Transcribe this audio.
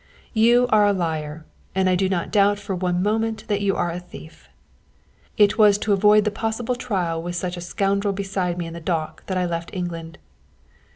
You are a liar and I do not doubt for one moment but that you are a thief. It was to avoid the possible trial with such a scoundrel beside me in the dock that I left England.